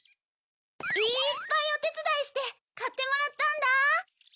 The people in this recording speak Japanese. いっぱいお手伝いして買ってもらったんだ！